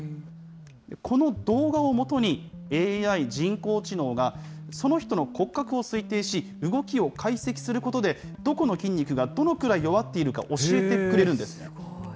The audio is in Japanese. この動画をもとに、ＡＩ・人工知能が、その人の骨格を推定し、動きを解析することで、どこの筋肉がどのくらい弱っているか教えてくれるんですね。